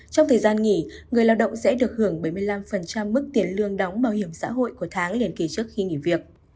trong thời gian nghỉ người lao động sẽ được hưởng bảy mươi năm mức tiền lương đóng bảo hiểm xã hội của tháng liền kỳ trước khi nghỉ việc